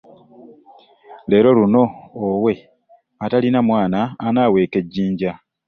Leero luno owe atalina mwana anaweka jinja.